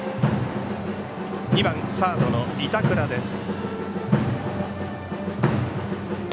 ２番サードの板倉です。